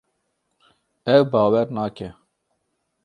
Ew bawer nake.